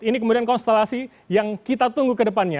ini kemudian konstelasi yang kita tunggu ke depannya